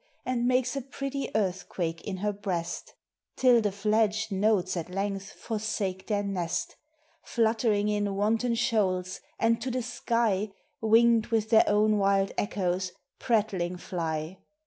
And makes a pretty earthquake in her breast, Till the fledged notes at length forsake their nest, Fluttering in wanton shoals, and to the sky, Winged with their own wild echoes, prattling fly.